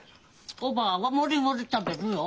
おばぁはもりもり食べるよ。